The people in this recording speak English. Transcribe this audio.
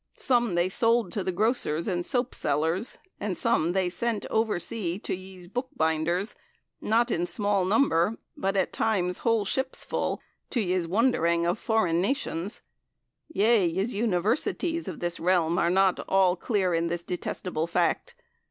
Some they solde to the grossers and sope sellers, and some they sent over see to yeS booke bynders, not in small nombre, but at tymes whole shyppes full, to yeS, wonderynge of foren nacyons. Yea yeS. Universytees of thys realme are not alle clere in thys detestable fact.